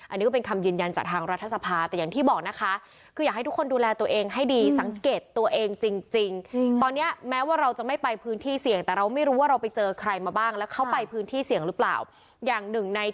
อันนี้เป็นคำยืนยันจากทางรัฐสภาสแต่อย่างที่บอกนะคะคืออยากให้ทุกคนดูแลตัวเองให้ดีสังเกตตัวเองจริง